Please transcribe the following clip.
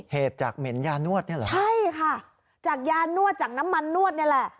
เหตุจากเหม็นยานวดเนี่ยเหรอใช่ค่ะจากยานวดจากน้ำมันนวดนี่แหละ